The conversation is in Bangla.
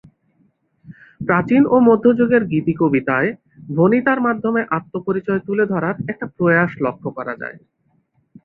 প্রাচীন ও মধ্যযুগের গীতিকবিতায় ভণিতার মাধ্যমে আত্মপরিচয় তুলে ধরার একটা প্রয়াস লক্ষ্য করা যায়।